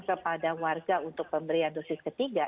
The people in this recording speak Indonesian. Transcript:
kepada warga untuk pemberian dosis ketiga